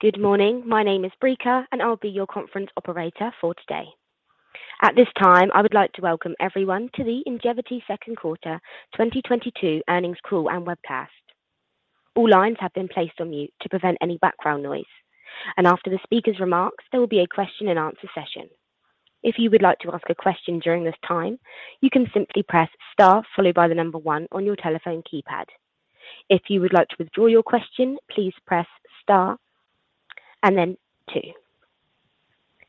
Good morning. My name is Brica, and I'll be your conference operator for today. At this time, I would like to welcome everyone to the Ingevity second quarter 2022 earnings call and webcast. All lines have been placed on mute to prevent any background noise. After the speaker's remarks, there will be a question-and-answer session. If you would like to ask a question during this time, you can simply press Star followed by the number one on your telephone keypad. If you would like to withdraw your question, please press Star and then two.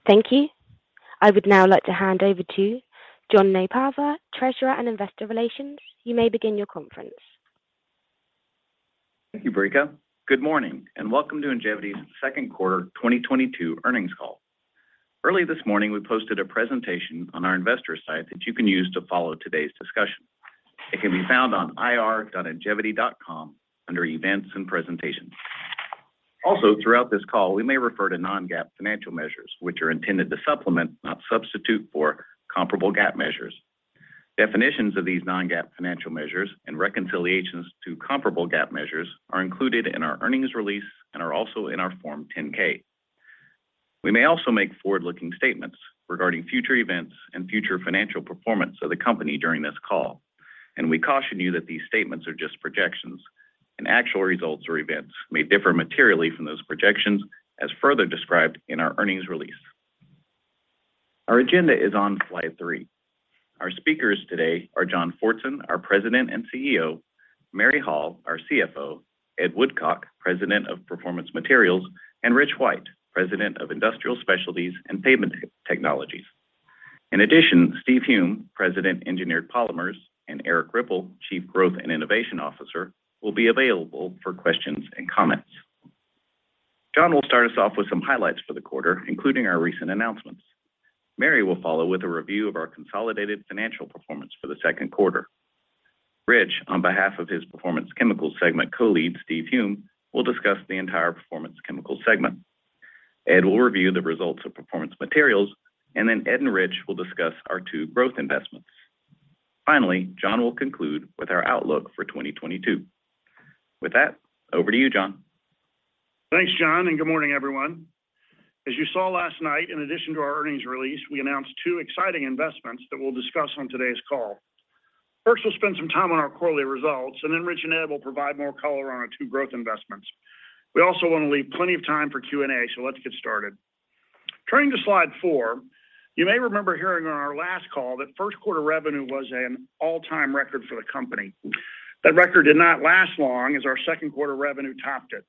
Thank you. I would now like to hand over to John Nypaver, Treasurer & Investor Relations. You may begin your conference. Thank you, Brica. Good morning, and welcome to Ingevity's second quarter 2022 earnings call. Early this morning, we posted a presentation on our investor site that you can use to follow today's discussion. It can be found on ir.ingevity.com under Events and Presentations. Also, throughout this call, we may refer to non-GAAP financial measures, which are intended to supplement, not substitute for comparable GAAP measures. Definitions of these non-GAAP financial measures and reconciliations to comparable GAAP measures are included in our earnings release and are also in our Form 10-K. We may also make forward-looking statements regarding future events and future financial performance of the company during this call, and we caution you that these statements are just projections, and actual results or events may differ materially from those projections, as further described in our earnings release. Our agenda is on slide three. Our speakers today are John Fortson, our President and CEO, Mary Hall, our CFO, Ed Woodcock, President of Performance Materials, and Rich White, President of Industrial Specialties and Pavement Technologies. In addition, Steve Hulme, President, Engineered Polymers, and Erik Ripple, Chief Growth and Innovation Officer, will be available for questions and comments. John will start us off with some highlights for the quarter, including our recent announcements. Mary will follow with a review of our consolidated financial performance for the second quarter. Rich, on behalf of his Performance Chemicals segment co-lead, Steve Hulme, will discuss the entire Performance Chemicals segment. Ed will review the results of Performance Materials, and then Ed and Rich will discuss our two growth investments. Finally, John will conclude with our outlook for 2022. With that, over to you, John. Thanks, John, and good morning, everyone. As you saw last night, in addition to our earnings release, we announced two exciting investments that we'll discuss on today's call. First, we'll spend some time on our quarterly results, and then Rich and Ed will provide more color on our two growth investments. We also want to leave plenty of time for Q&A, so let's get started. Turning to slide four, you may remember hearing on our last call that first-quarter revenue was an all-time record for the company. That record did not last long as our second-quarter revenue topped it.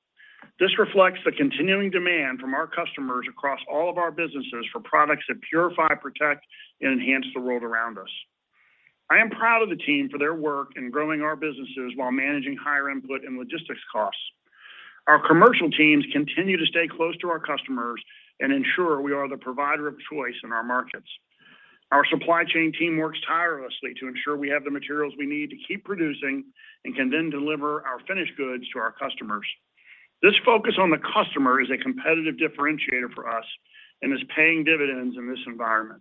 This reflects the continuing demand from our customers across all of our businesses for products that purify, protect, and enhance the world around us. I am proud of the team for their work in growing our businesses while managing higher input and logistics costs. Our commercial teams continue to stay close to our customers and ensure we are the provider of choice in our markets. Our supply chain team works tirelessly to ensure we have the materials we need to keep producing and can then deliver our finished goods to our customers. This focus on the customer is a competitive differentiator for us and is paying dividends in this environment.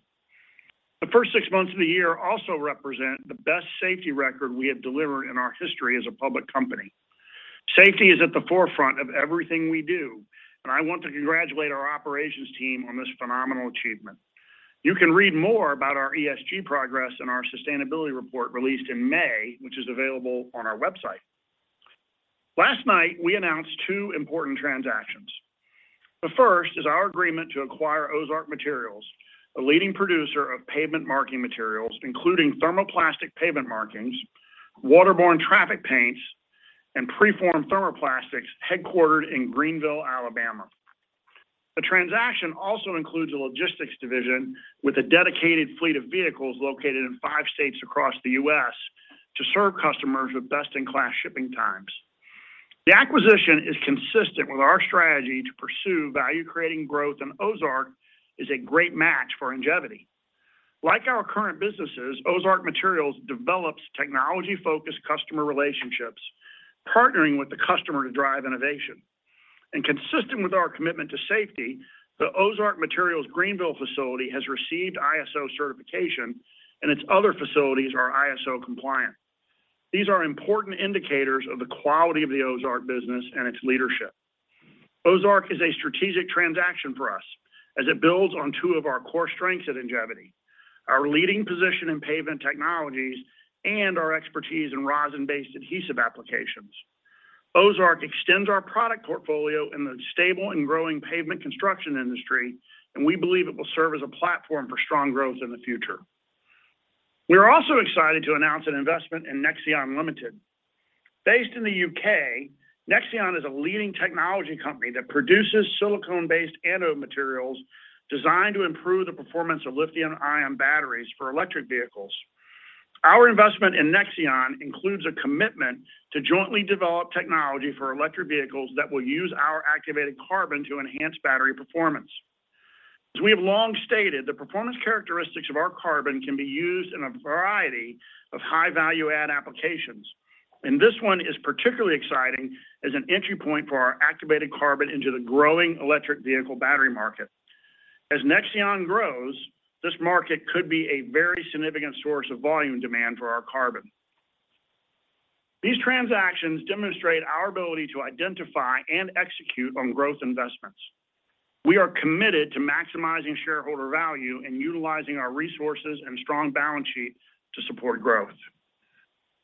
The first six months of the year also represent the best safety record we have delivered in our history as a public company. Safety is at the forefront of everything we do, and I want to congratulate our operations team on this phenomenal achievement. You can read more about our ESG progress in our sustainability report released in May, which is available on our website. Last night, we announced two important transactions. The first is our agreement to acquire Ozark Materials, a leading producer of pavement marking materials, including thermoplastic pavement markings, waterborne traffic paints, and preformed thermoplastics, headquartered in Greenville, Alabama. The transaction also includes a logistics division with a dedicated fleet of vehicles located in five states across the U.S. to serve customers with best-in-class shipping times. The acquisition is consistent with our strategy to pursue value-creating growth, and Ozark is a great match for Ingevity. Like our current businesses, Ozark Materials develops technology-focused customer relationships, partnering with the customer to drive innovation. Consistent with our commitment to safety, the Ozark Materials Greenville facility has received ISO certification, and its other facilities are ISO compliant. These are important indicators of the quality of the Ozark business and its leadership. Ozark is a strategic transaction for us as it builds on two of our core strengths at Ingevity, our leading position in Pavement Technologies and our expertise in rosin-based adhesive applications. Ozark extends our product portfolio in the stable and growing pavement construction industry, and we believe it will serve as a platform for strong growth in the future. We are also excited to announce an investment in Nexeon Limited. Based in the U.K., Nexeon is a leading technology company that produces silicon-based anode materials designed to improve the performance of lithium-ion batteries for electric vehicles. Our investment in Nexeon includes a commitment to jointly develop technology for electric vehicles that will use our activated carbon to enhance battery performance. As we have long stated, the performance characteristics of our carbon can be used in a variety of high-value add applications, and this one is particularly exciting as an entry point for our activated carbon into the growing electric vehicle battery market. As Nexeon grows, this market could be a very significant source of volume demand for our carbon. These transactions demonstrate our ability to identify and execute on growth investments. We are committed to maximizing shareholder value and utilizing our resources and strong balance sheet to support growth.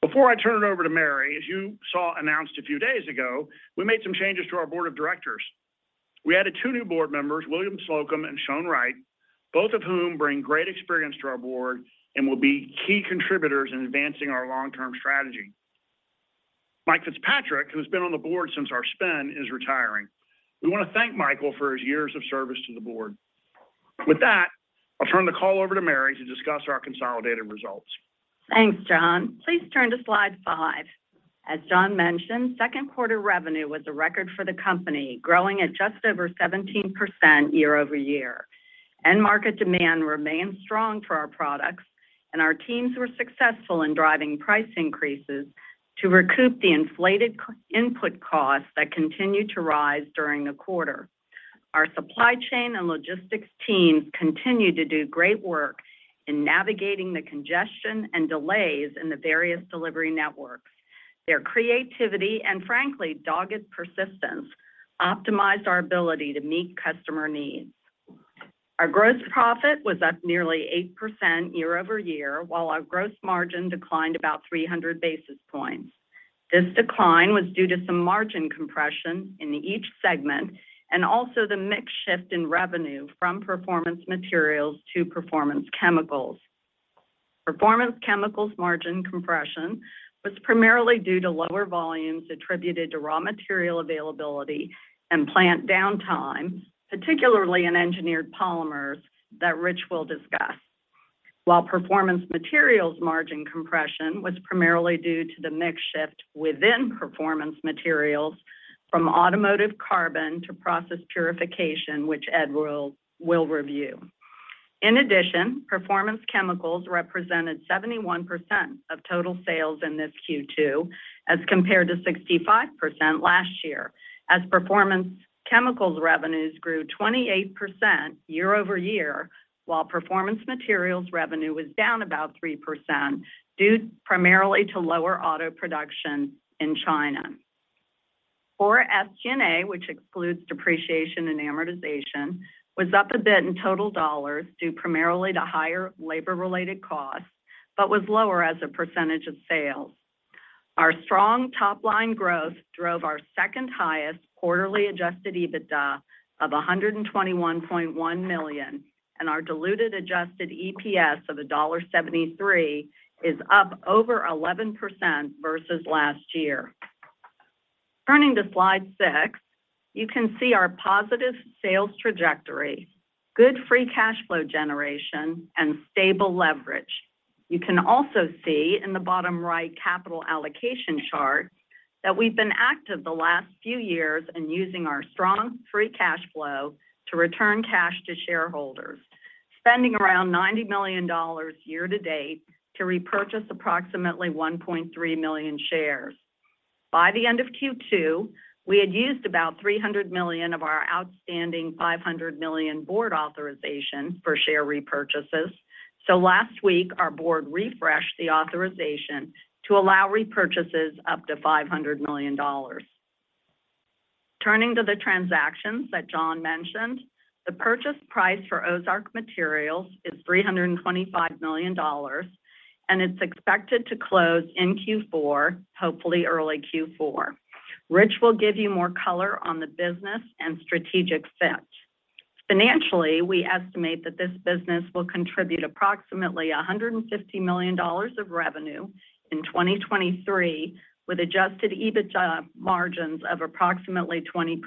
Before I turn it over to Mary, as you saw announced a few days ago, we made some changes to our board of directors. We added two new board members, William Slocum and Shon Wright, both of whom bring great experience to our board and will be key contributors in advancing our long-term strategy. Michael Fitzpatrick, who's been on the board since our spin, is retiring. We want to thank Michael for his years of service to the board. With that, I'll turn the call over to Mary to discuss our consolidated results. Thanks, John. Please turn to slide five. As John mentioned, second quarter revenue was a record for the company, growing at just over 17% year-over-year. End market demand remained strong for our products, and our teams were successful in driving price increases to recoup the inflated input costs that continued to rise during the quarter. Our supply chain and logistics teams continued to do great work in navigating the congestion and delays in the various delivery networks. Their creativity and frankly, dogged persistence, optimized our ability to meet customer needs. Our gross profit was up nearly 8% year-over-year, while our gross margin declined about 300 basis points. This decline was due to some margin compression in each segment and also the mix shift in revenue from Performance Materials to Performance Chemicals. Performance Chemicals margin compression was primarily due to lower volumes attributed to raw material availability and plant downtime, particularly in engineered polymers that Rich will discuss. While Performance Materials margin compression was primarily due to the mix shift within Performance Materials from automotive carbon to process purification, which Ed will review. In addition, Performance Chemicals represented 71% of total sales in this Q2 as compared to 65% last year. As Performance Chemicals revenues grew 28% year-over-year, while Performance Materials revenue was down about 3% due primarily to lower auto production in China. Core SG&A, which excludes depreciation and amortization, was up a bit in total dollars due primarily to higher labor-related costs, but was lower as a percentage of sales. Our strong top-line growth drove our second-highest quarterly adjusted EBITDA of $121.1 million, and our diluted adjusted EPS of $1.73 is up over 11% versus last year. Turning to slide six, you can see our positive sales trajectory, good free cash flow generation, and stable leverage. You can also see in the bottom right capital allocation chart that we've been active the last few years in using our strong free cash flow to return cash to shareholders, spending around $90 million year to date to repurchase approximately 1.3 million shares. By the end of Q2, we had used about $300 million of our outstanding $500 million board authorization for share repurchases. Last week our board refreshed the authorization to allow repurchases up to $500 million. Turning to the transactions that John mentioned, the purchase price for Ozark Materials is $325 million, and it's expected to close in Q4, hopefully early Q4. Rich will give you more color on the business and strategic fit. Financially, we estimate that this business will contribute approximately $150 million of revenue in 2023, with adjusted EBITDA margins of approximately 20%,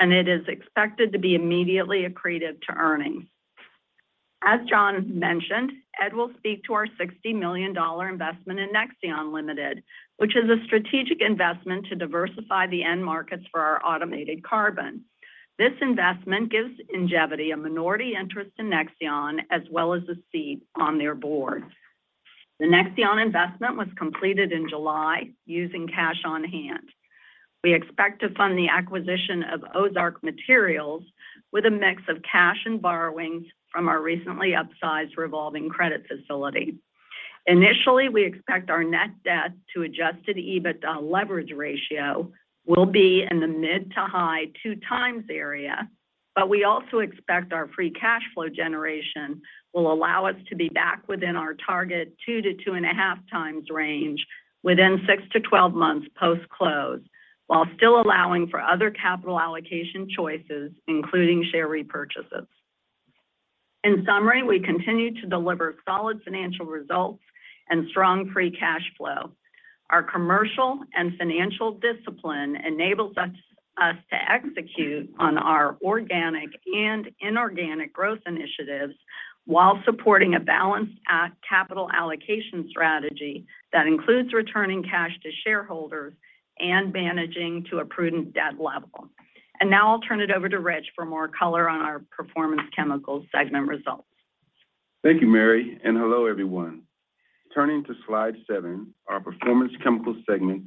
and it is expected to be immediately accretive to earnings. As John mentioned, Ed will speak to our $60 million investment in Nexeon Limited, which is a strategic investment to diversify the end markets for our activated carbon. This investment gives Ingevity a minority interest in Nexeon as well as a seat on their board. The Nexeon investment was completed in July using cash on hand. We expect to fund the acquisition of Ozark Materials with a mix of cash and borrowings from our recently upsized revolving credit facility. Initially, we expect our net debt to adjusted EBITDA leverage ratio will be in the mid- to high-2x area, but we also expect our free cash flow generation will allow us to be back within our target 2-2.5x range within 6-12 months post-close, while still allowing for other capital allocation choices, including share repurchases. In summary, we continue to deliver solid financial results and strong free cash flow. Our commercial and financial discipline enables us to execute on our organic and inorganic growth initiatives while supporting a balanced capital allocation strategy that includes returning cash to shareholders and managing to a prudent debt level. Now I'll turn it over to Rich for more color on our Performance Chemicals segment results. Thank you, Mary, and hello, everyone. Turning to slide seven, our Performance Chemicals segment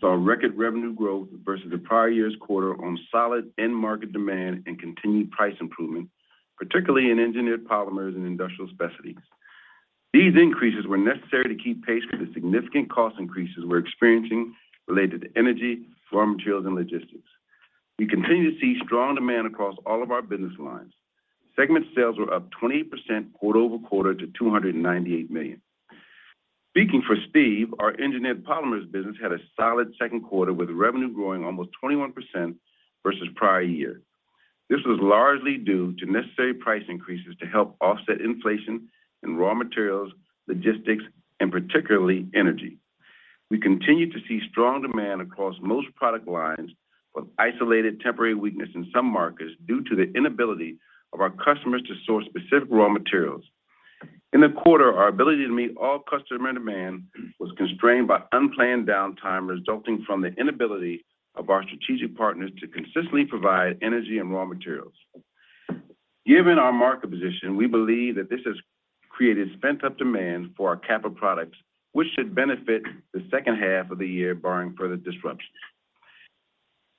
saw record revenue growth versus the prior year's quarter on solid end market demand and continued price improvement. Particularly in engineered polymers and industrial specialties. These increases were necessary to keep pace with the significant cost increases we're experiencing related to energy, raw materials, and logistics. We continue to see strong demand across all of our business lines. Segment sales were up 28% quarter-over-quarter to $298 million. Speaking for Steve, our engineered polymers business had a solid second quarter with revenue growing almost 21% versus prior year. This was largely due to necessary price increases to help offset inflation in raw materials, logistics, and particularly energy. We continue to see strong demand across most product lines, with isolated temporary weakness in some markets due to the inability of our customers to source specific raw materials. In the quarter, our ability to meet all customer demand was constrained by unplanned downtime resulting from the inability of our strategic partners to consistently provide energy and raw materials. Given our market position, we believe that this has created pent-up demand for our caprolactone products, which should benefit the second half of the year barring further disruption.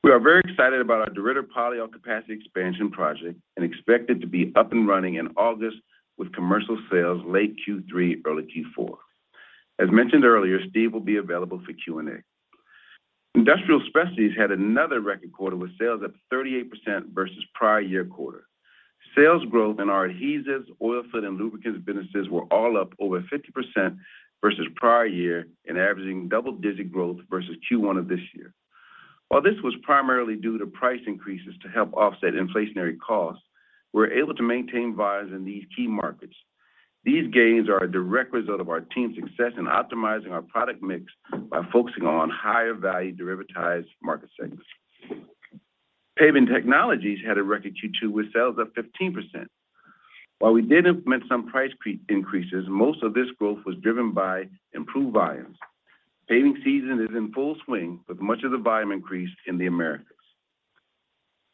We are very excited about our caprolactone polyol capacity expansion project and expect it to be up and running in August with commercial sales late Q3, early Q4. As mentioned earlier, Steve will be available for Q&A. Industrial Specialties had another record quarter with sales up 38% versus prior year quarter. Sales growth in our adhesives, oilfield, and lubricants businesses were all up over 50% versus prior year and averaging double-digit growth versus Q1 of this year. While this was primarily due to price increases to help offset inflationary costs, we're able to maintain volumes in these key markets. These gains are a direct result of our team's success in optimizing our product mix by focusing on higher value derivatized market segments. Pavement Technologies had a record Q2 with sales up 15%. While we did implement some price increases, most of this growth was driven by improved volumes. Paving season is in full swing, with much of the volume increase in the Americas.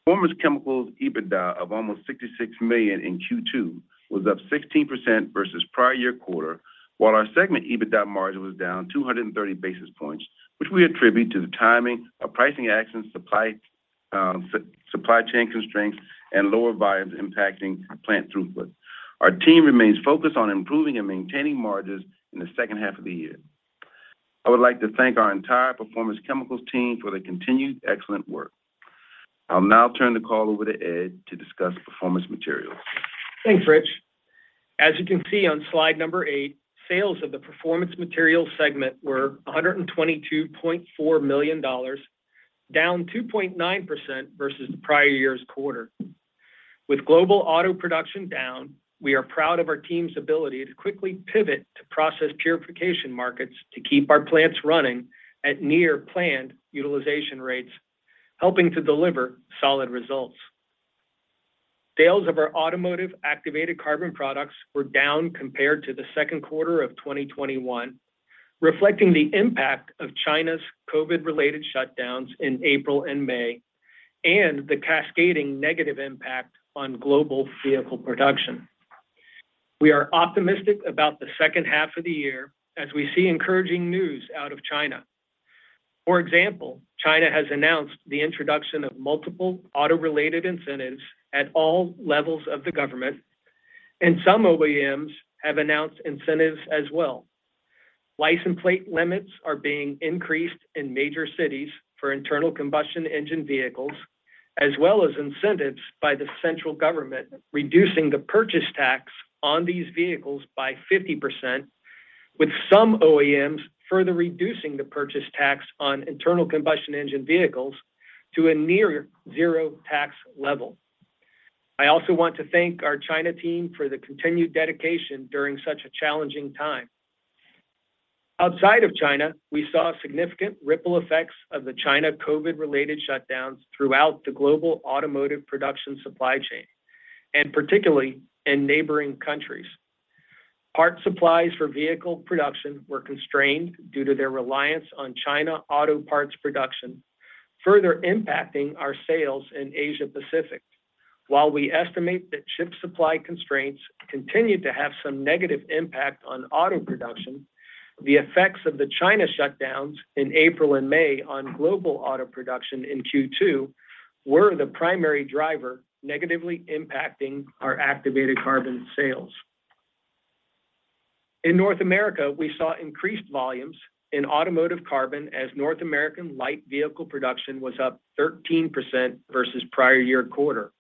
Performance Chemicals EBITDA of almost $66 million in Q2 was up 16% versus prior-year quarter, while our segment EBITDA margin was down 230 basis points, which we attribute to the timing of pricing actions, supply chain constraints, and lower volumes impacting plant throughput. Our team remains focused on improving and maintaining margins in the second half of the year. I would like to thank our entire Performance Chemicals team for their continued excellent work. I'll now turn the call over to Ed to discuss Performance Materials. Thanks, Rich. As you can see on slide number eight, sales of the Performance Materials segment were $122.4 million, down 2.9% versus the prior year's quarter. With global auto production down, we are proud of our team's ability to quickly pivot to process purification markets to keep our plants running at near planned utilization rates, helping to deliver solid results. Sales of our automotive activated carbon products were down compared to the second quarter of 2021, reflecting the impact of China's COVID-related shutdowns in April and May, and the cascading negative impact on global vehicle production. We are optimistic about the second half of the year as we see encouraging news out of China. For example, China has announced the introduction of multiple auto-related incentives at all levels of the government, and some OEMs have announced incentives as well. License plate limits are being increased in major cities for internal combustion engine vehicles, as well as incentives by the central government, reducing the purchase tax on these vehicles by 50%, with some OEMs further reducing the purchase tax on internal combustion engine vehicles to a near zero tax level. I also want to thank our China team for the continued dedication during such a challenging time. Outside of China, we saw significant ripple effects of the China COVID-related shutdowns throughout the global automotive production supply chain, and particularly in neighboring countries. Part supplies for vehicle production were constrained due to their reliance on China auto parts production, further impacting our sales in Asia-Pacific. While we estimate that chip supply constraints continue to have some negative impact on auto production, the effects of the China shutdowns in April and May on global auto production in Q2 were the primary driver negatively impacting our activated carbon sales. In North America, we saw increased volumes in automotive carbon as North American light vehicle production was up 13% versus prior-year quarter.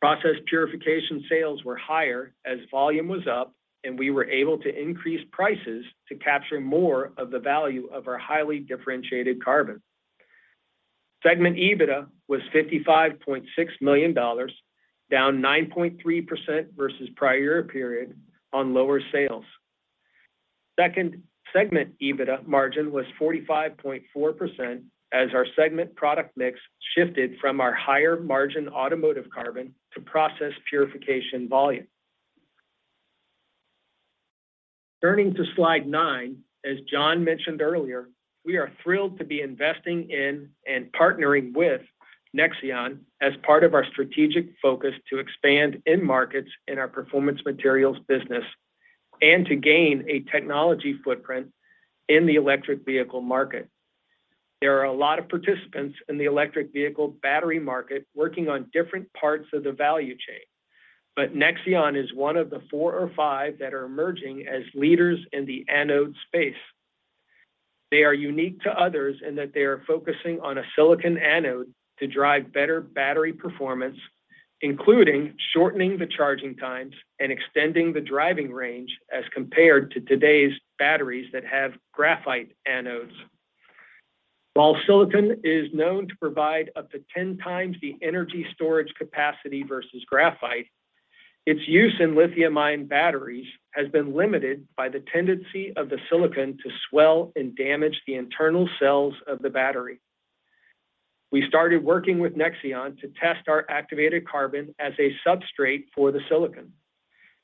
Process purification sales were higher as volume was up, and we were able to increase prices to capture more of the value of our highly differentiated carbon. Segment EBITDA was $55.6 million, down 9.3% versus prior-year period on lower sales. Second segment EBITDA margin was 45.4% as our segment product mix shifted from our higher margin automotive carbon to process purification volume. Turning to slide nine, as John mentioned earlier, we are thrilled to be investing in and partnering with Nexeon as part of our strategic focus to expand end markets in our performance materials business and to gain a technology footprint in the electric vehicle market. There are a lot of participants in the electric vehicle battery market working on different parts of the value chain. Nexeon is one of the four or five that are emerging as leaders in the anode space. They are unique to others in that they are focusing on a silicon anode to drive better battery performance, including shortening the charging times and extending the driving range as compared to today's batteries that have graphite anodes. While silicon is known to provide up to 10 times the energy storage capacity versus graphite, its use in lithium-ion batteries has been limited by the tendency of the silicon to swell and damage the internal cells of the battery. We started working with Nexeon to test our activated carbon as a substrate for the silicon.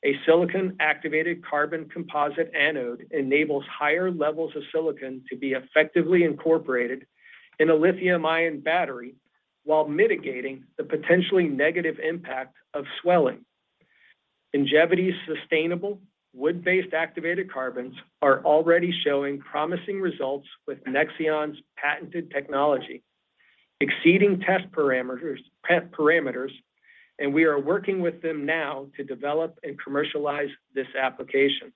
A silicon-activated carbon composite anode enables higher levels of silicon to be effectively incorporated in a lithium-ion battery while mitigating the potentially negative impact of swelling. Ingevity's sustainable wood-based activated carbons are already showing promising results with Nexeon's patented technology, exceeding test parameters, and we are working with them now to develop and commercialize this application.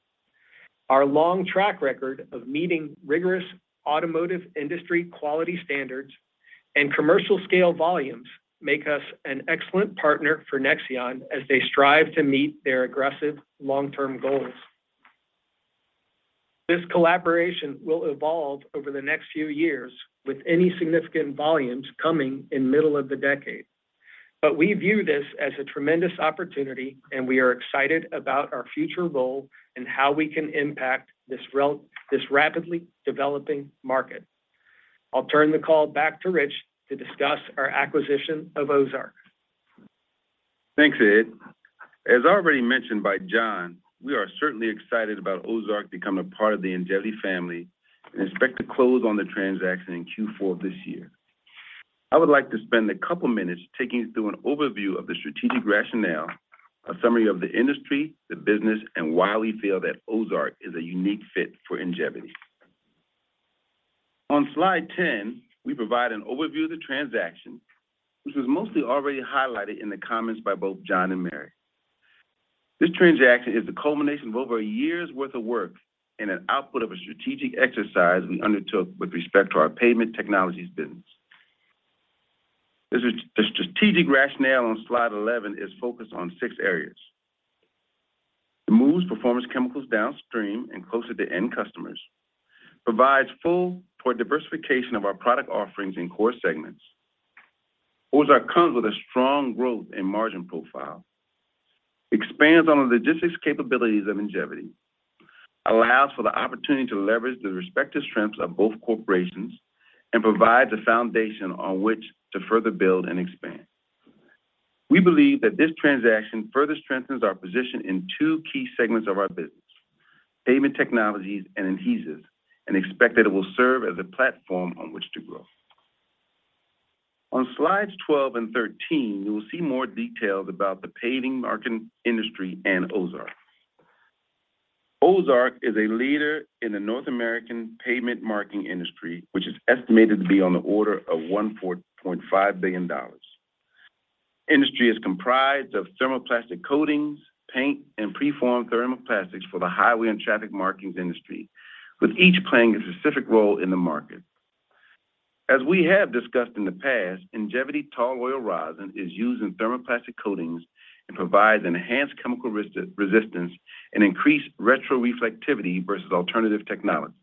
Our long track record of meeting rigorous automotive industry quality standards and commercial scale volumes make us an excellent partner for Nexeon as they strive to meet their aggressive long-term goals. This collaboration will evolve over the next few years, with any significant volumes coming in middle of the decade. We view this as a tremendous opportunity, and we are excited about our future role and how we can impact this rapidly developing market. I'll turn the call back to Rich to discuss our acquisition of Ozark. Thanks, Ed. As already mentioned by John, we are certainly excited about Ozark becoming a part of the Ingevity family and expect to close on the transaction in Q4 of this year. I would like to spend a couple minutes taking you through an overview of the strategic rationale, a summary of the industry, the business, and why we feel that Ozark is a unique fit for Ingevity. On slide 10, we provide an overview of the transaction, which was mostly already highlighted in the comments by both John and Mary. This transaction is the culmination of over a year's worth of work and an output of a strategic exercise we undertook with respect to our pavement technologies business. The strategic rationale on slide 11 is focused on six areas. It moves Performance Chemicals downstream and closer to end customers. Provides fuel toward diversification of our product offerings in core segments. Ozark comes with a strong growth and margin profile. Expands on the logistics capabilities of Ingevity. Allows for the opportunity to leverage the respective strengths of both corporations and provides a foundation on which to further build and expand. We believe that this transaction further strengthens our position in two key segments of our business: pavement technologies and adhesives, and expect that it will serve as a platform on which to grow. On slides 12 and 13, you will see more details about the pavement marking industry and Ozark. Ozark is a leader in the North American pavement marking industry, which is estimated to be on the order of $1.4 billion. Industry is comprised of thermoplastic coatings, paint, and preformed thermoplastics for the highway and traffic markings industry, with each playing a specific role in the market. As we have discussed in the past, Ingevity tall oil rosin is used in thermoplastic coatings and provides enhanced chemical resistance and increased retroreflectivity versus alternative technology.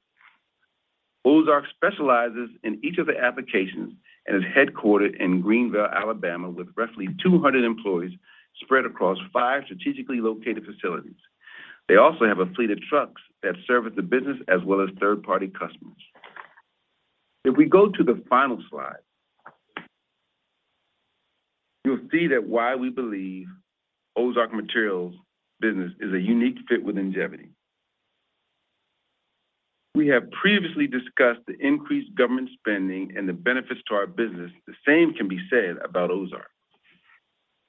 Ozark Materials specializes in each of the applications and is headquartered in Greenville, Alabama, with roughly 200 employees spread across five strategically located facilities. They also have a fleet of trucks that service the business as well as third-party customers. If we go to the final slide, you'll see why we believe Ozark Materials business is a unique fit with Ingevity. We have previously discussed the increased government spending and the benefits to our business. The same can be said about Ozark.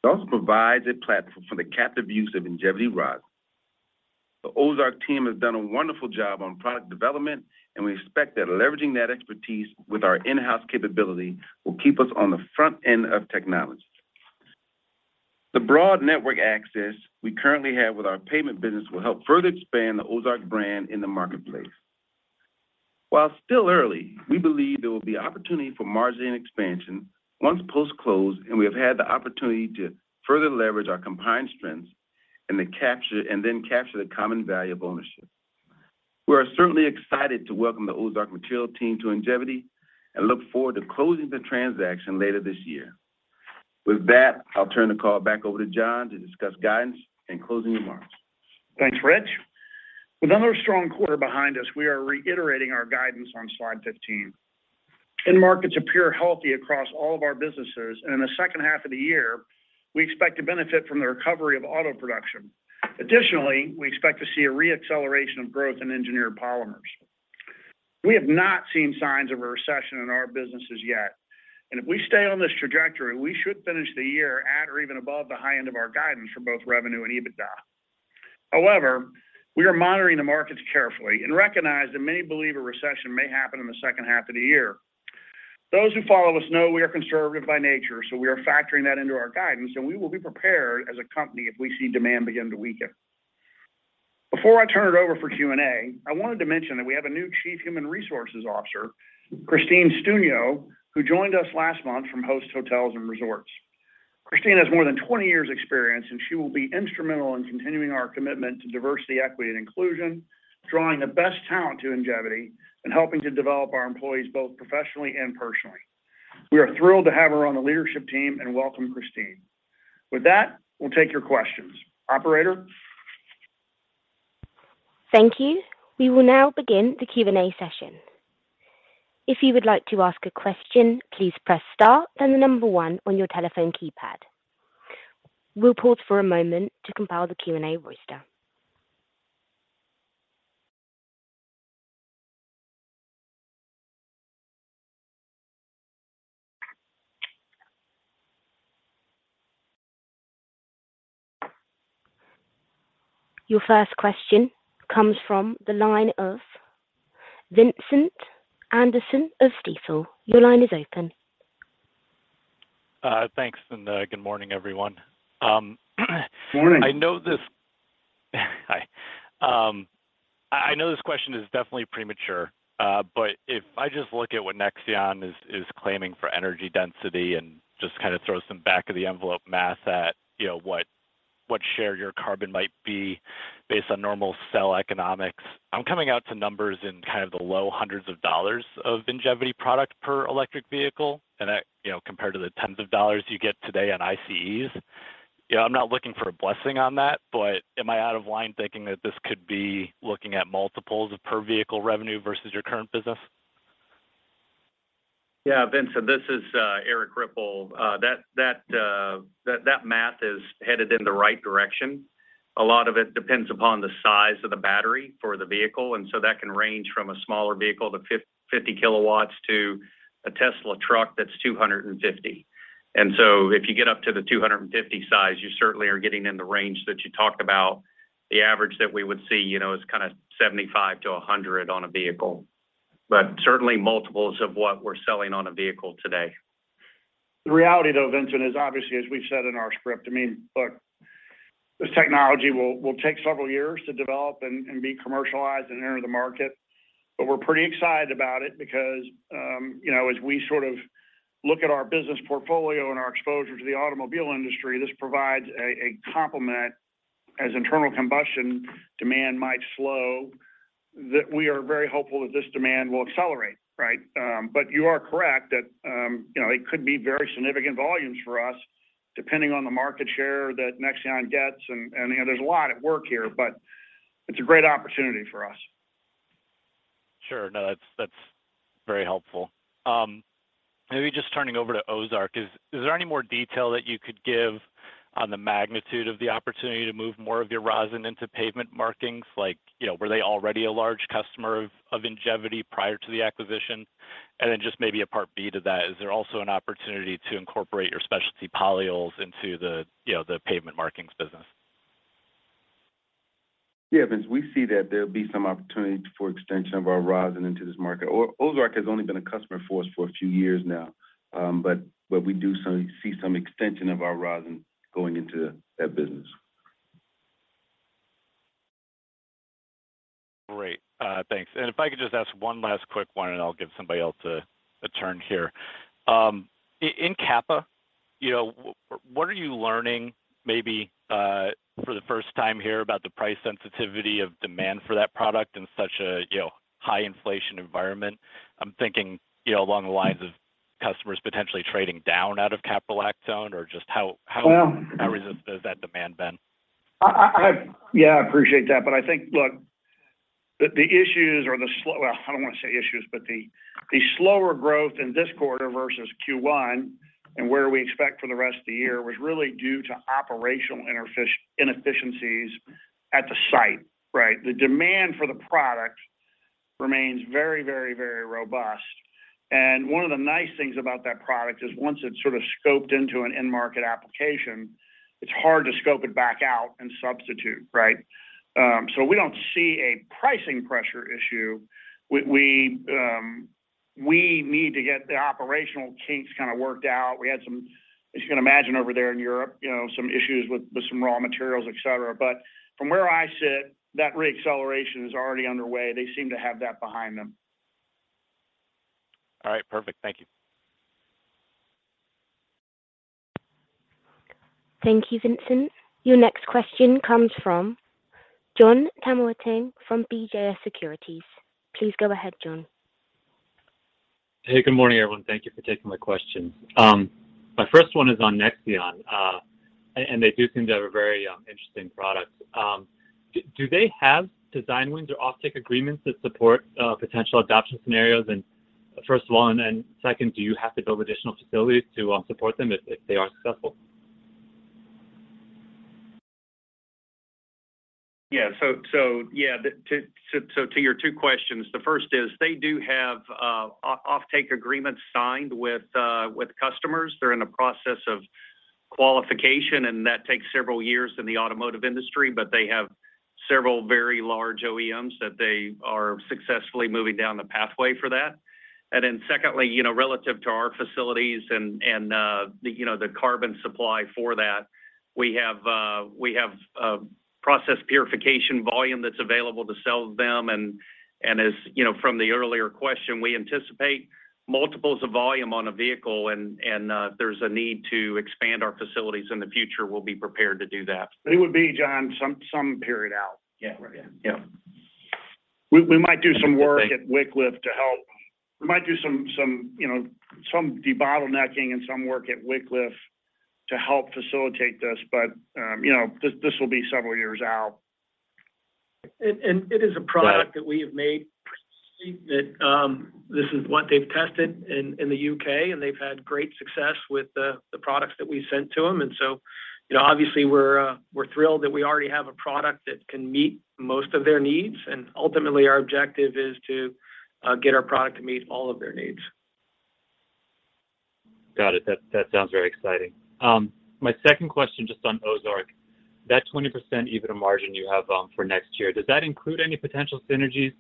It also provides a platform for the captive use of Ingevity rosin. The Ozark team has done a wonderful job on product development, and we expect that leveraging that expertise with our in-house capability will keep us on the front end of technology. The broad network access we currently have with our pavement business will help further expand the Ozark brand in the marketplace. While still early, we believe there will be opportunity for margin expansion once post-close, and we have had the opportunity to further leverage our combined strengths and capture the common value of ownership. We are certainly excited to welcome the Ozark Materials team to Ingevity and look forward to closing the transaction later this year. With that, I'll turn the call back over to John to discuss guidance and closing remarks. Thanks, Rich. With another strong quarter behind us, we are reiterating our guidance on slide 15. End markets appear healthy across all of our businesses, and in the second half of the year, we expect to benefit from the recovery of auto production. Additionally, we expect to see a re-acceleration of growth in engineered polymers. We have not seen signs of a recession in our businesses yet, and if we stay on this trajectory, we should finish the year at or even above the high end of our guidance for both revenue and EBITDA. However, we are monitoring the markets carefully and recognize that many believe a recession may happen in the second half of the year. Those who follow us know we are conservative by nature, so we are factoring that into our guidance, and we will be prepared as a company if we see demand begin to weaken. Before I turn it over for Q&A, I wanted to mention that we have a new Chief Human Resources Officer, Christine Stungio, who joined us last month from Host Hotels & Resorts. Christine has more than 20 years experience, and she will be instrumental in continuing our commitment to diversity, equity and inclusion, drawing the best talent to Ingevity and helping to develop our employees both professionally and personally. We are thrilled to have her on the leadership team and welcome Christine. With that, we'll take your questions. Operator? Thank you. We will now begin the Q&A session. If you would like to ask a question, please press star, then the number one on your telephone keypad. We'll pause for a moment to compile the Q&A roster. Your first question comes from the line of Vincent Anderson of Stifel. Your line is open. Thanks and good morning, everyone. Morning. I know this question is definitely premature, but if I just look at what Nexeon is claiming for energy density and just kind of throw some back of the envelope math at, you know, what share your carbon might be based on normal cell economics. I'm coming out to numbers in kind of the low hundreds of dollars of Ingevity product per electric vehicle, and that compared to the tens of dollars you get today on ICEs. You know, I'm not looking for a blessing on that, but am I out of line thinking that this could be looking at multiples of per vehicle revenue versus your current business? Yeah. Vincent, this is Erik Ripple. That math is headed in the right direction. A lot of it depends upon the size of the battery for the vehicle, and so that can range from a smaller vehicle to 50 kW to a Tesla truck that's 250. If you get up to the 250 size, you certainly are getting in the range that you talked about. The average that we would see, you know, is kinda 75-100 on a vehicle. Certainly multiples of what we're selling on a vehicle today. The reality though, Vincent, is obviously, as we've said in our script, I mean, look, this technology will take several years to develop and be commercialized and enter the market. We're pretty excited about it because, you know, as we sort of look at our business portfolio and our exposure to the automobile industry, this provides a complement as internal combustion demand might slow, that we are very hopeful that this demand will accelerate, right? You are correct that, you know, it could be very significant volumes for us depending on the market share that Nexeon gets and, you know, there's a lot at work here, but it's a great opportunity for us. Sure. No, that's very helpful. Maybe just turning over to Ozark. Is there any more detail that you could give on the magnitude of the opportunity to move more of your rosin into pavement markings? Like, you know, were they already a large customer of Ingevity prior to the acquisition? Just maybe a part B to that, is there also an opportunity to incorporate your specialty polyols into the, you know, the pavement markings business? Yeah. Vincent, we see that there'll be some opportunity for extension of our rosin into this market. Ozark has only been a customer for us for a few years now. We see some extension of our rosin going into that business. Great. Thanks. If I could just ask one last quick one, and I'll give somebody else a turn here. In Capa, you know, what are you learning maybe, for the first time here about the price sensitivity of demand for that product in such a, you know, high inflation environment? I'm thinking, you know, along the lines of customers potentially trading down out of caprolactone or just how. Well- How resistant has that demand been? Yeah, I appreciate that, but I think, look, Well, I don't wanna say issues, but the slower growth in this quarter versus Q1 and where we expect for the rest of the year was really due to operational inefficiencies at the site, right? The demand for the product remains very robust. One of the nice things about that product is once it's sort of scoped into an end market application, it's hard to scope it back out and substitute, right? We don't see a pricing pressure issue. We need to get the operational kinks kinda worked out. We had some, as you can imagine, over there in Europe, you know, some issues with some raw materials, etcetera. From where I sit, that re-acceleration is already underway. They seem to have that behind them. All right. Perfect. Thank you. Thank you, Vincent. Your next question comes from Jon Tanwanteng from CJS Securities. Please go ahead, Jon. Hey, good morning, everyone. Thank you for taking my questions. My first one is on Nexeon, and they do seem to have a very interesting product. Do they have design wins or offtake agreements that support potential adoption scenarios? First of all, and second, do you have to build additional facilities to support them if they are successful? Yeah. To your two questions, the first is they do have offtake agreements signed with customers. They're in the process of qualification, and that takes several years in the automotive industry, but they have several very large OEMs that they are successfully moving down the pathway for that. Then secondly, you know, relative to our facilities and you know, the carbon supply for that, we have process purification volume that's available to sell them. As you know, from the earlier question, we anticipate multiples of volume on a vehicle and if there's a need to expand our facilities in the future, we'll be prepared to do that. It would be, Jon, some period out. Yeah. Right. Yeah. We might do some work at Wickliffe to help. We might do some, you know, some debottlenecking and some work at Wickliffe to help facilitate this. You know, this will be several years out. It is a product that we have made that this is what they've tested in the U.K., and they've had great success with the products that we sent to them. You know, obviously we're thrilled that we already have a product that can meet most of their needs, and ultimately our objective is to get our product to meet all of their needs. Got it. That sounds very exciting. My second question, just on Ozark Materials. That 20% EBITDA margin you have for next year, does that include any potential synergies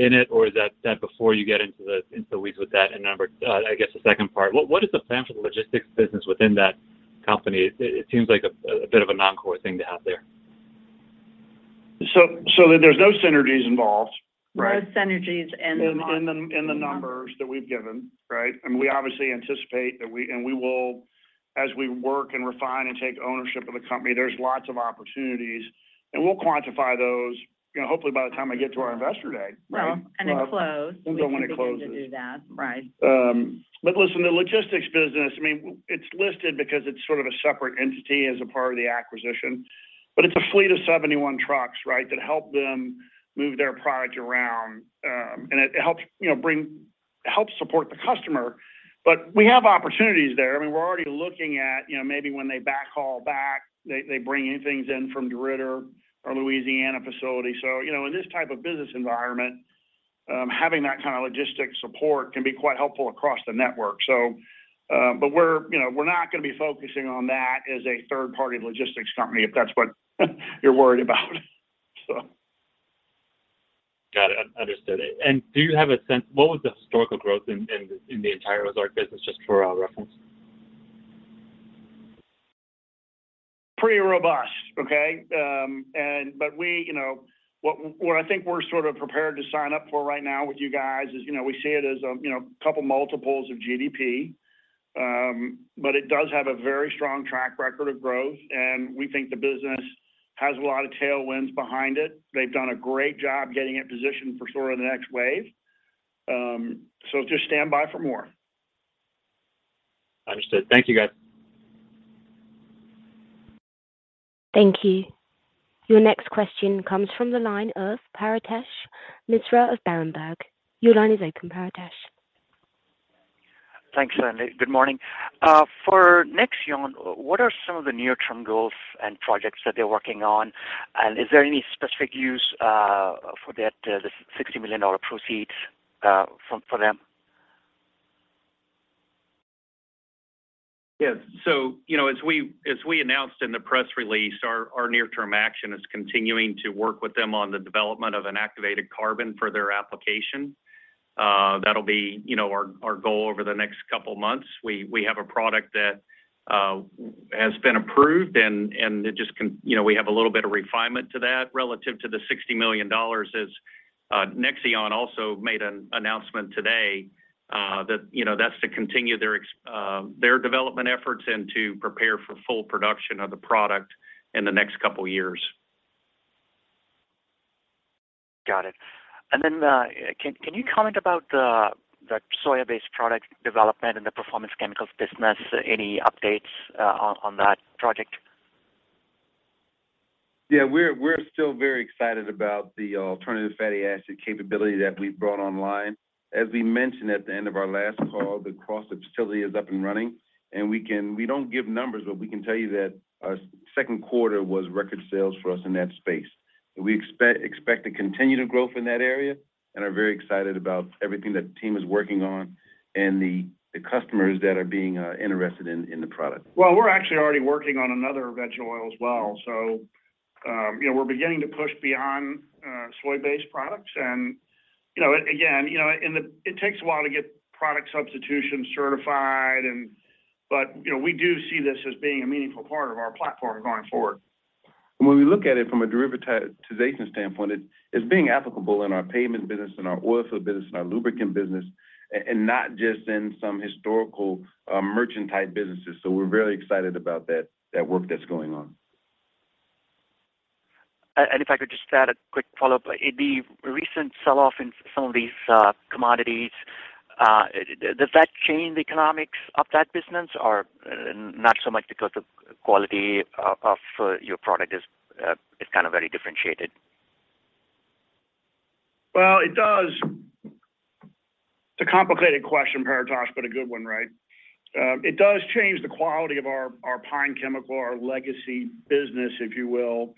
in it, or is that before you get into the weeds with that? I guess the second part, what is the plan for the logistics business within that company? It seems like a bit of a non-core thing to have there. there's no synergies involved, right? No synergies in the. In the numbers that we've given, right? We obviously anticipate that we will as we work and refine and take ownership of the company, there's lots of opportunities, and we'll quantify those, you know, hopefully by the time I get to our Investor Day, right? Right. Close. When it closes. We continue to do that. Right. Listen, the logistics business, I mean, it's listed because it's sort of a separate entity as a part of the acquisition. It's a fleet of 71 trucks, right? That help them move their product around. It helps, you know, support the customer. We have opportunities there. I mean, we're already looking at, you know, maybe when they backhaul back, they bring in things from DeRidder, Louisiana facility. In this type of business environment, having that kind of logistics support can be quite helpful across the network. We're, you know, not gonna be focusing on that as a third-party logistics company, if that's what you're worried about. Got it. Understood. Do you have a sense what was the historical growth in the entire Ozark business, just for reference? Pretty robust, okay? What I think we're sort of prepared to sign up for right now with you guys is, you know, we see it as, you know, couple multiples of GDP. It does have a very strong track record of growth, and we think the business has a lot of tailwinds behind it. They've done a great job getting it positioned for sort of the next wave. Just stand by for more. Understood. Thank you, guys. Thank you. Your next question comes from the line of Paretosh Misra of Berenberg. Your line is open, Paretosh. Thanks. Good morning. For Nexeon, what are some of the near-term goals and projects that they're working on? Is there any specific use for that, the $60 million proceeds, for them? Yes. You know, as we announced in the press release, our near-term action is continuing to work with them on the development of an activated carbon for their application. That'll be, you know, our goal over the next couple of months. We have a product that has been approved. You know, we have a little bit of refinement to that relative to the $60 million as Nexeon also made an announcement today, that, you know, that's to continue their development efforts and to prepare for full production of the product in the next couple years. Got it. Can you comment about the soya-based product development and the Performance Chemicals business? Any updates on that project? Yeah. We're still very excited about the alternative fatty acid capability that we've brought online. As we mentioned at the end of our last call, the Crossett facility is up and running, and we don't give numbers, but we can tell you that our second quarter was record sales for us in that space. We expect to continue to grow from that area and are very excited about everything that the team is working on and the customers that are being interested in the product. Well, we're actually already working on another veggie oil as well. You know, we're beginning to push beyond soy-based products and, you know, again, you know. It takes a while to get product substitution certified. You know, we do see this as being a meaningful part of our platform going forward. When we look at it from a diversification standpoint, it's being applicable in our pavement business, in our oil field business, in our lubricant business, and not just in some historical, merchant type businesses. We're really excited about that work that's going on. If I could just add a quick follow-up. In the recent sell-off in some of these commodities, does that change the economics of that business or not so much because the quality of your product is kind of very differentiated? Well, it does. It's a complicated question, Paretosh, but a good one, right? It does change the quality of our pine chemical, our legacy business, if you will,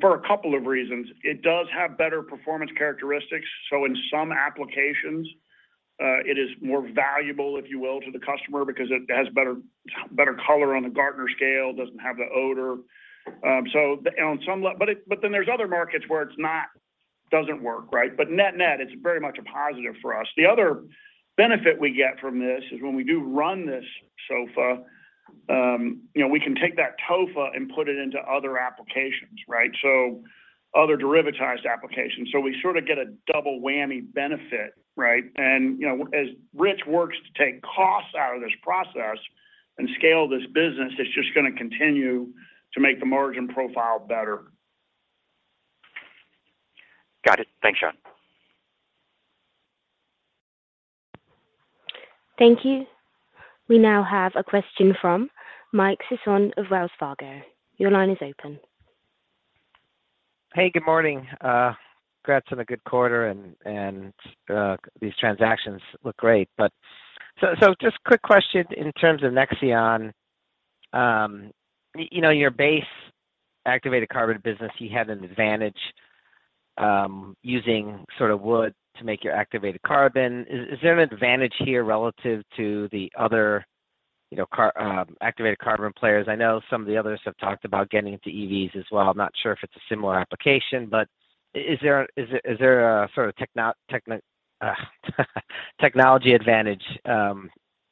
for a couple of reasons. It does have better performance characteristics. So in some applications, it is more valuable, if you will, to the customer because it has better color on the Gardner scale, doesn't have the odor. But then there's other markets where it doesn't work, right? But net-net, it's very much a positive for us. The other benefit we get from this is when we do run this SOFA, you know, we can take that TOFA and put it into other applications, right? So other derivatized applications. So we sort of get a double whammy benefit, right? You know, as Rich works to take costs out of this process and scale this business, it's just gonna continue to make the margin profile better. Got it. Thanks, John. Thank you. We now have a question from Michael Sison of Wells Fargo. Your line is open. Hey, good morning. Congrats on a good quarter and these transactions look great. Just quick question in terms of Nexeon. You know, your base activated carbon business, you had an advantage using sort of wood to make your activated carbon. Is there an advantage here relative to the other, you know, activated carbon players? I know some of the others have talked about getting into EVs as well. I'm not sure if it's a similar application, but is there a sort of technology advantage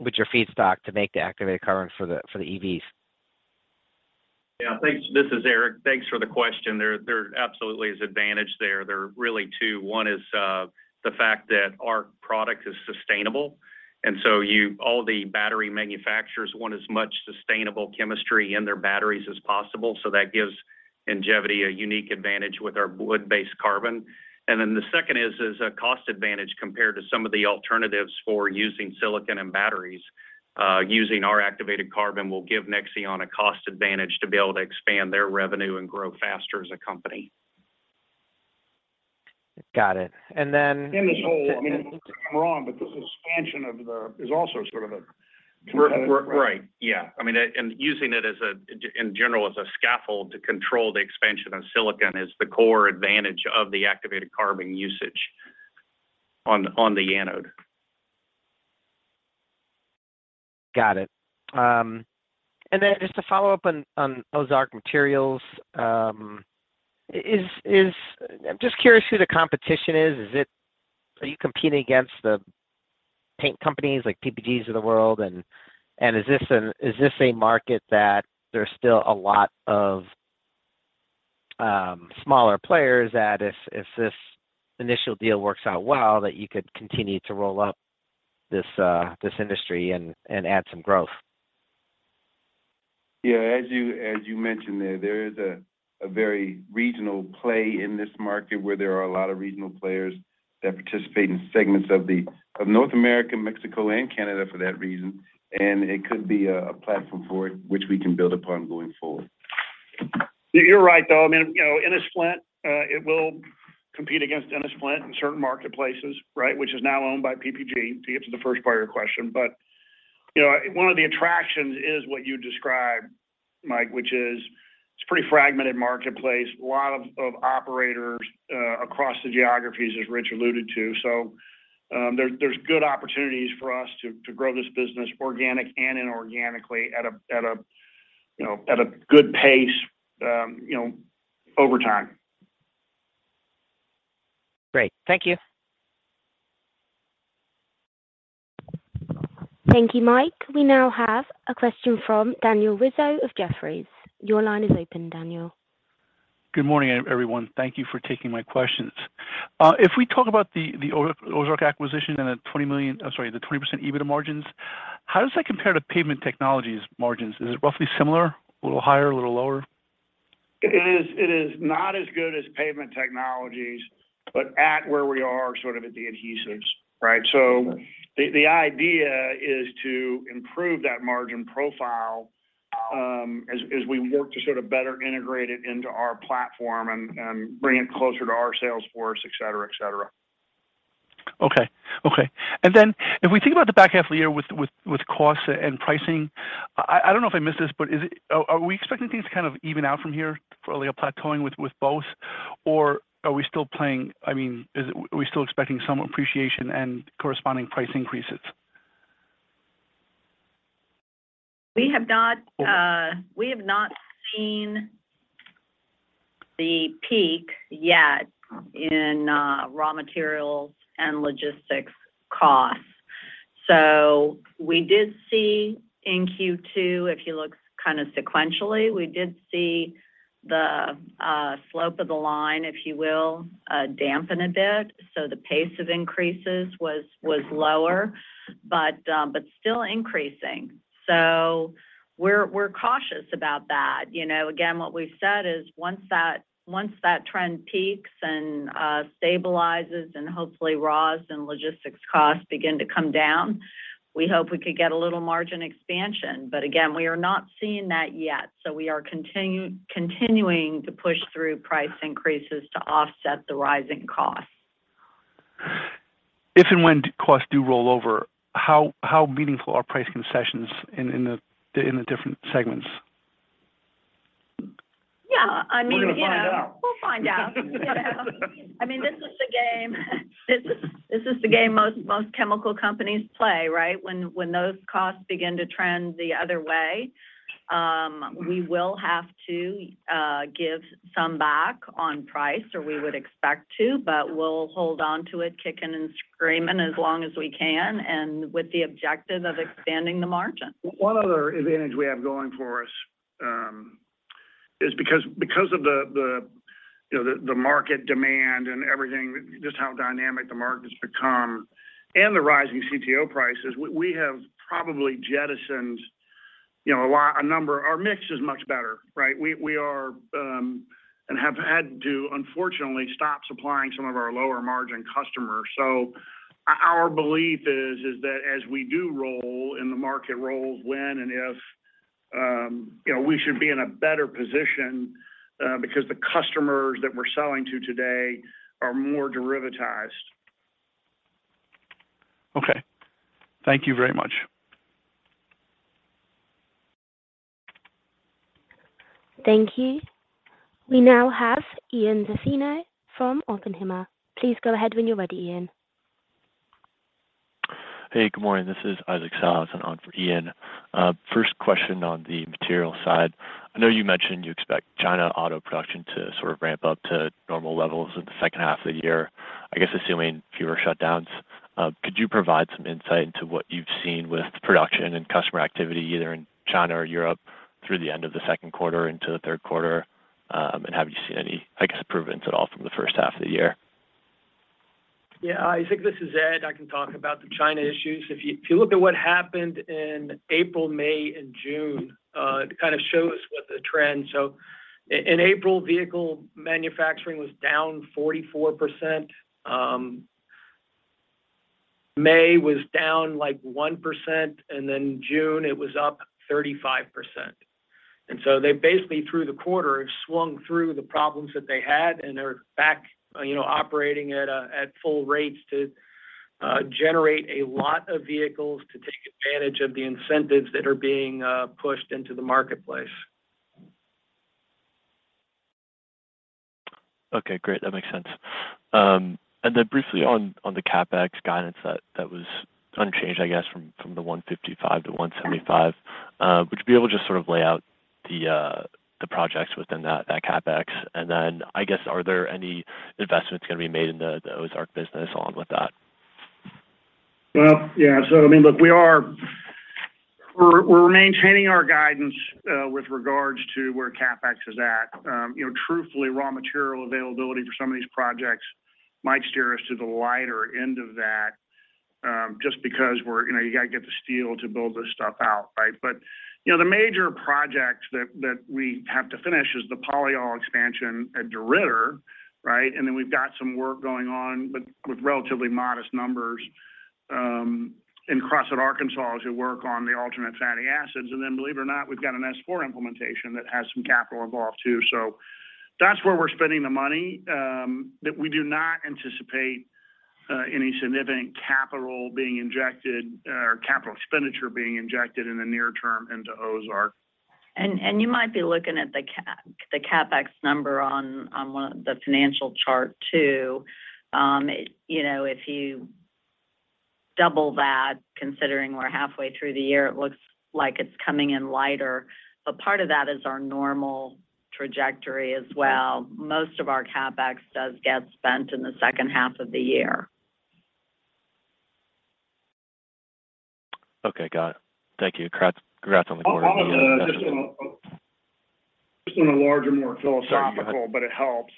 with your feedstock to make the activated carbon for the EVs? Yeah, thanks. This is Eric. Thanks for the question. There absolutely is advantage there. There are really two. One is the fact that our product is sustainable, and so all the battery manufacturers want as much sustainable chemistry in their batteries as possible. So that gives Ingevity a unique advantage with our wood-based carbon. Then the second is a cost advantage compared to some of the alternatives for using silicon in batteries. Using our activated carbon will give Nexeon a cost advantage to be able to expand their revenue and grow faster as a company. Got it. In this whole, I mean, correct me if I'm wrong, but this expansion is also sort of a competitive threat. Right. Yeah. I mean, using it in general as a scaffold to control the expansion of silicon is the core advantage of the activated carbon usage on the anode. Got it. Just to follow up on Ozark Materials. I'm just curious who the competition is. Are you competing against the paint companies like PPG of the world? Is this a market that there's still a lot of smaller players that if this initial deal works out well, that you could continue to roll up this industry and add some growth? Yeah. As you mentioned there is a very regional play in this market where there are a lot of regional players that participate in segments of North America, Mexico and Canada for that reason. It could be a platform for it, which we can build upon going forward. You're right, though. I mean, you know, Ennis-Flint, it will compete against Ennis-Flint in certain marketplaces, right? Which is now owned by PPG to get to the first part of your question. You know, one of the attractions is what you described, Mike, which is it's a pretty fragmented marketplace, a lot of operators across the geographies, as Rich alluded to. There's good opportunities for us to grow this business organic and inorganically at a good pace, you know, over time. Great. Thank you. Thank you, Mike. We now have a question from Daniel Rizzo of Jefferies. Your line is open, Daniel. Good morning, everyone. Thank you for taking my questions. If we talk about the Ozark Materials acquisition and the 20% EBITDA margins, how does that compare to Pavement Technologies' margins? Is it roughly similar, a little higher, a little lower? It is not as good as Pavement Technologies, but at where we are, sort of at the adhesives, right? Okay. The idea is to improve that margin profile, as we work to sort of better integrate it into our platform and bring it closer to our sales force, et cetera, et cetera. Okay. If we think about the back half of the year with costs and pricing, I don't know if I missed this, but are we expecting things to kind of even out from here, probably a plateauing with both? Or, I mean, are we still expecting some appreciation and corresponding price increases? We have not seen the peak yet in raw materials and logistics costs. We did see in Q2, if you look kind of sequentially, the slope of the line, if you will, dampen a bit. The pace of increases was lower, but still increasing. We're cautious about that. You know, again, what we've said is once that trend peaks and stabilizes and hopefully raws and logistics costs begin to come down, we hope we could get a little margin expansion. Again, we are not seeing that yet. We are continuing to push through price increases to offset the rising costs. If and when the costs do roll over, how meaningful are price concessions in the different segments? Yeah, I mean, you know. We're gonna find out. We'll find out. You know, I mean, this is the game most chemical companies play, right? When those costs begin to trend the other way, we will have to give some back on price, or we would expect to, but we'll hold on to it, kicking and screaming as long as we can, and with the objective of expanding the margin. One other advantage we have going for us is because of the you know the market demand and everything just how dynamic the market has become and the rising CTO prices, we have probably jettisoned you know a number. Our mix is much better, right? We are and have had to unfortunately stop supplying some of our lower margin customers. So our belief is that as we do roll and the market rolls, when and if you know we should be in a better position because the customers that we're selling to today are more derivatized. Okay. Thank you very much. Thank you. We now have Ian Zaffino from Oppenheimer. Please go ahead when you're ready, Ian. Hey, good morning. This is Isaac Salas on for Ian Zaffino. First question on the material side. I know you mentioned you expect China auto production to sort of ramp up to normal levels in the second half of the year. I guess assuming fewer shutdowns, could you provide some insight into what you've seen with production and customer activity either in China or Europe through the end of the second quarter into the third quarter? Have you seen any, I guess, improvements at all from the first half of the year? Yeah, Isaac, this is Ed. I can talk about the China issues. If you look at what happened in April, May and June, it kind of shows what the trend. In April, vehicle manufacturing was down 44%. May was down like 1%, and then June it was up 35%. They basically through the quarter have swung through the problems that they had, and they're back, you know, operating at full rates to generate a lot of vehicles to take advantage of the incentives that are being pushed into the marketplace. Okay, great. That makes sense. Briefly on the CapEx guidance that was unchanged, I guess from the $155-$175, would you be able to just sort of lay out the projects within that CapEx? I guess, are there any investments going to be made in the Ozark business along with that? Yeah. I mean, look, we're maintaining our guidance with regards to where CapEx is at. You know, truthfully, raw material availability for some of these projects might steer us to the lighter end of that, just because we're, you know, you got to get the steel to build this stuff out, right? You know, the major project that we have to finish is the polyol expansion at DeRidder, right? Then we've got some work going on with relatively modest numbers in Crossett, Arkansas, as we work on the alternative fatty acids. Then believe it or not, we've got an S/4 implementation that has some capital involved too. That's where we're spending the money, but we do not anticipate any significant capital being injected or capital expenditure being injected in the near term into Ozark. You might be looking at the CapEx number on one of the financial chart too. You know, if you double that, considering we're halfway through the year, it looks like it's coming in lighter. Part of that is our normal trajectory as well. Most of our CapEx does get spent in the second half of the year. Okay, got it. Thank you. Congrats, congrats on the quarter. Just on a larger, more philosophical, but it helps.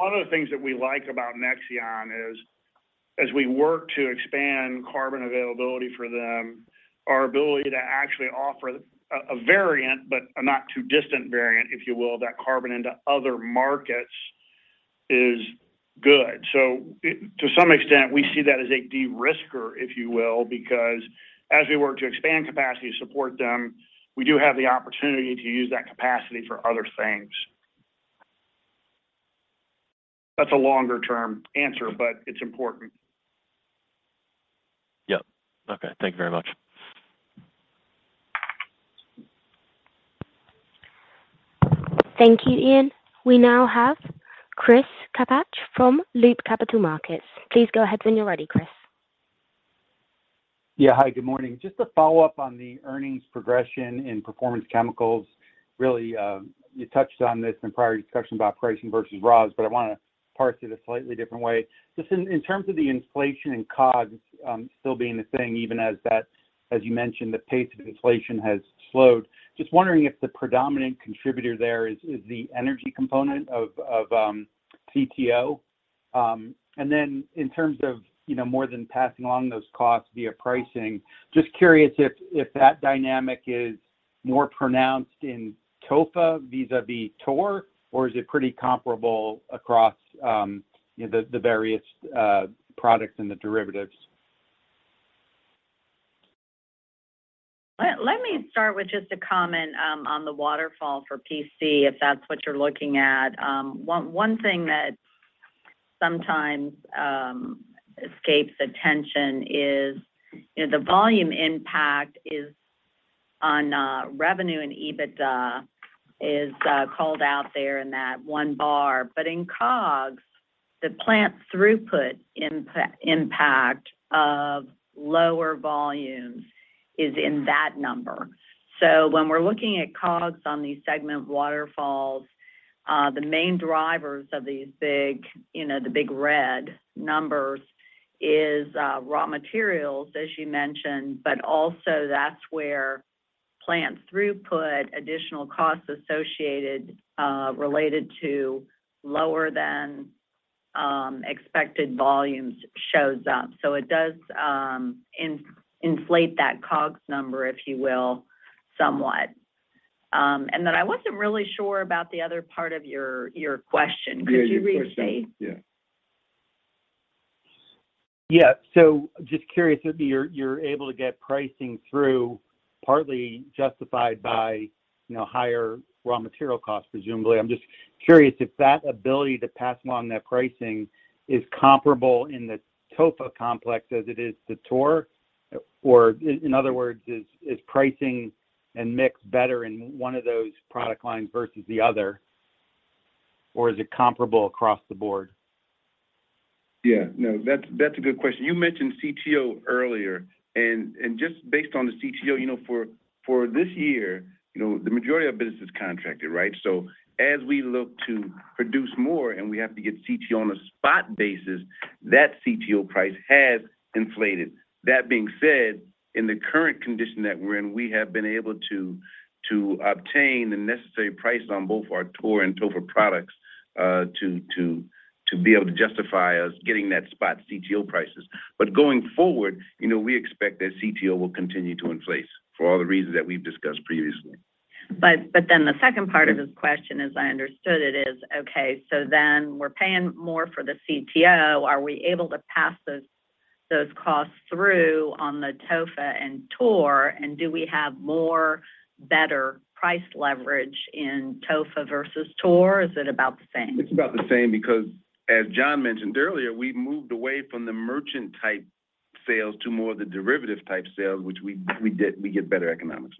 One of the things that we like about Nexeon is as we work to expand carbon availability for them, our ability to actually offer a variant, but a not too distant variant, if you will, of that carbon into other markets is good. To some extent, we see that as a de-risker, if you will, because as we work to expand capacity to support them, we do have the opportunity to use that capacity for other things. That's a longer term answer, but it's important. Yep. Okay. Thank you very much. Thank you, Ian. We now have Chris Kapsch from Loop Capital Markets. Please go ahead when you're ready, Chris. Yeah. Hi, good morning. Just a follow-up on the earnings progression in Performance Chemicals. Really, you touched on this in prior discussion about pricing versus raws, but I want to parse it a slightly different way. Just in terms of the inflation and COGS, still being a thing, even as that, as you mentioned, the pace of inflation has slowed. Just wondering if the predominant contributor there is the energy component of CTO. And then in terms of, you know, more than passing along those costs via pricing, just curious if that dynamic is more pronounced in TOFA vis-à-vis TOR, or is it pretty comparable across the various products and the derivatives? Let me start with just a comment on the waterfall for PC, if that's what you're looking at. One thing that's sometimes escapes attention is, you know, the volume impact is on revenue, and EBITDA is called out there in that one bar. In COGS, the plant throughput impact of lower volumes is in that number. When we're looking at COGS on these segment waterfalls, the main drivers of these big, you know, the big red numbers is raw materials, as you mentioned. Also that's where plant throughput, additional costs associated related to lower than expected volumes shows up. It does inflate that COGS number, if you will, somewhat. I wasn't really sure about the other part of your question. Could you restate? Yeah, your question. Yeah. Yeah. Just curious if you're able to get pricing through partly justified by, you know, higher raw material costs, presumably. I'm just curious if that ability to pass along that pricing is comparable in the TOFA complex as it is to TOR. Or in other words, is pricing and mix better in one of those product lines versus the other, or is it comparable across the board? Yeah. No, that's a good question. You mentioned CTO earlier, and just based on the CTO, you know, for this year, you know, the majority of business is contracted, right? As we look to produce more and we have to get CTO on a spot basis, that CTO price has inflated. That being said, in the current condition that we're in, we have been able to obtain the necessary pricing on both our TOR and TOFA products to be able to justify us getting that spot CTO prices. Going forward, you know, we expect that CTO will continue to inflate for all the reasons that we've discussed previously. The second part of his question, as I understood it, is okay, so then we're paying more for the CTO, are we able to pass those costs through on the TOFA and TOR? Do we have more better price leverage in TOFA versus TOR, or is it about the same? It's about the same because, as John mentioned earlier, we've moved away from the merchant type sales to more of the derivative type sales, which we get better economics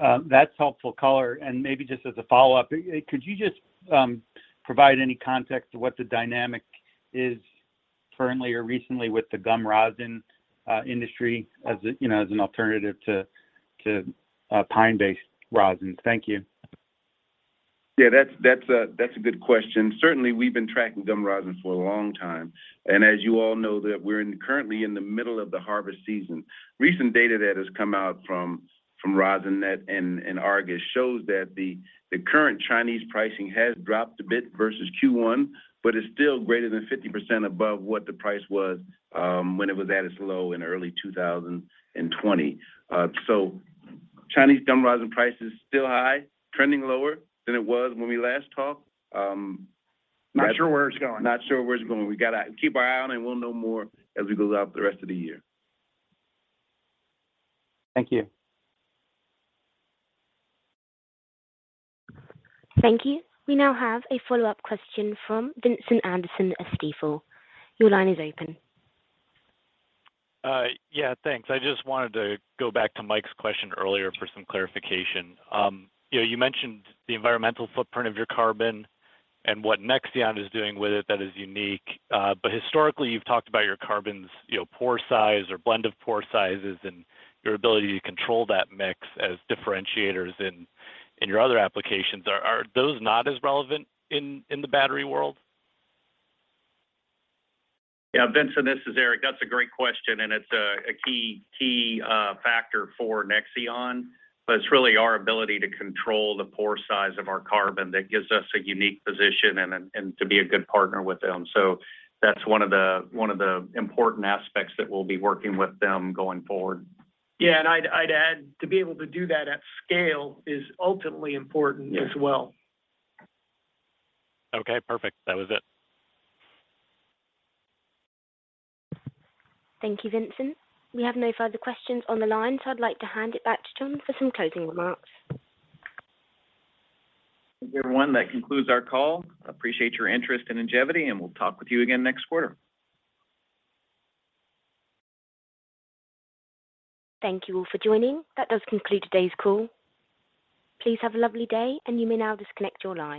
on. That's helpful color. Maybe just as a follow-up, could you just provide any context to what the dynamic is currently or recently with the gum rosin industry as a, you know, as an alternative to pine-based rosin? Thank you. Yeah, that's a good question. Certainly, we've been tracking gum rosin for a long time. As you all know, we're currently in the middle of the harvest season. Recent data that has come out from Rosinnet and Argus shows that the current Chinese pricing has dropped a bit versus Q1, but is still greater than 50% above what the price was when it was at its low in early 2020. So Chinese gum rosin price is still high, trending lower than it was when we last talked. Not sure where it's going. Not sure where it's going. We gotta keep our eye on it, and we'll know more as we go throughout the rest of the year. Thank you. Thank you. We now have a follow-up question from Vincent Anderson of Stifel. Your line is open. Yeah. Thanks. I just wanted to go back to Mike's question earlier for some clarification. You know, you mentioned the environmental footprint of your carbon and what Nexeon is doing with it that is unique. But historically, you've talked about your carbon's, you know, pore size or blend of pore sizes and your ability to control that mix as differentiators in your other applications. Are those not as relevant in the battery world? Yeah. Vincent, this is Eric. That's a great question, and it's a key factor for Nexeon. It's really our ability to control the pore size of our carbon that gives us a unique position and to be a good partner with them. That's one of the important aspects that we'll be working with them going forward. Yeah. I'd add to be able to do that at scale is ultimately important as well. Okay, perfect. That was it. Thank you, Vincent. We have no further questions on the line, so I'd like to hand it back to John for some closing remarks. Thank you, everyone. That concludes our call. Appreciate your interest in Ingevity, and we'll talk with you again next quarter. Thank you all for joining. That does conclude today's call. Please have a lovely day, and you may now disconnect your lines.